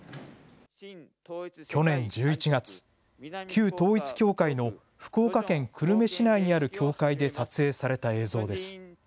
去年１１月、旧統一教会の福岡県久留米市内にある教会で撮影された映像です。